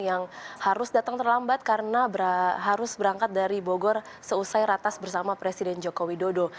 yang harus datang terlambat karena harus berangkat dari bogor seusai ratas bersama presiden joko widodo